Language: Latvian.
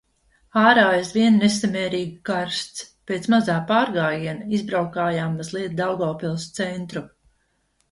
Ārā aizvien nesamērīgi karsts. Pēc mazā pārgājiena izbraukājām mazliet Daugavpils centru.